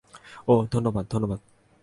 ওহ, ধন্যবাদ ধন্যবাদ।